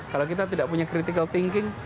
kalau kita tidak punya critical thinking